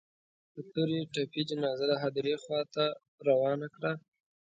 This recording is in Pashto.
که تورې تپې جنازه د هديرې خوا ته روانه کړه.